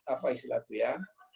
apa istilah itu ya